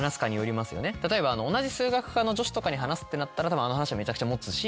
例えば同じ数学科の女子とかに話すってなったらたぶんあの話はめちゃくちゃ持つし。